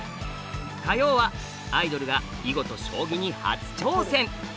火曜はアイドルが囲碁と将棋に初挑戦！